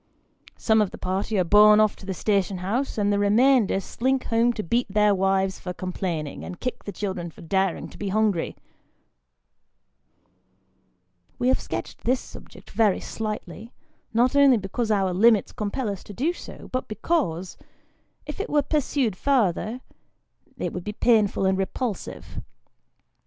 Some of the party are borne off to the station house, and the remainder slink home to beat their wives for complaining, and kick the children for daring to be hungry. We have sketched this subject very slightly, not only because our limits compel us to do so, but because, if it were pursued farther, it would be painful and repulsive.